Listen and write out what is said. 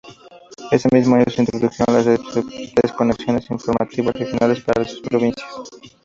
Ese mismo año se introdujeron las desconexiones informativas regionales para las provincias.